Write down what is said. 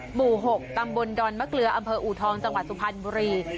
หมู่๖ตำบลดอนมะเกลืออำเภออูทองจังหวัดสุพรรณบุรี